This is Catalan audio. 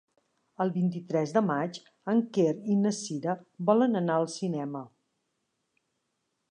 El vint-i-tres de maig en Quer i na Cira volen anar al cinema.